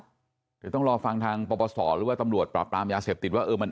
เดี๋ยวต้องรอฟังทางปฏิบัติศาสตร์หรือว่าตำรวจปรับปรามยาเสพติดว่าเออมัน